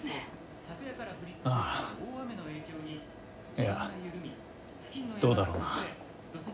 いやどうだろうな。